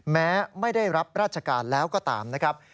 แม้ไม่ได้รับราชการแล้วก็ตามนะครับ